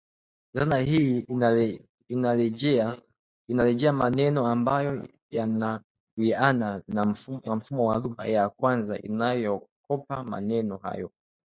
Dhana hii inarejelea maneno ambayo yanawiana na mfumo wa lugha ya kwanza inayokopa maneno hayo